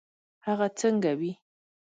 هغه څنګه وي.